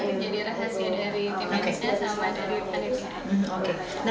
kita biasa jadi rahasia dari tim edisnya sama dari adiknya